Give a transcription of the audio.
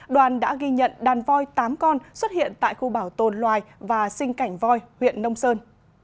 đoàn đã ghi nhận đàn voi tám con xuất hiện tại khu bảo tồn loài và sinh cảnh voi huyện nông sơn